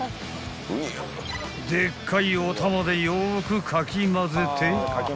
［でっかいおたまでよくかきまぜて］